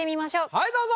はいどうぞ！